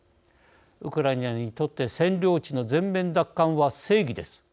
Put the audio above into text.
ウクライナにとって占領地の全面奪還は正義です。